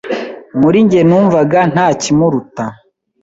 muri njye numvaga ntakimuruta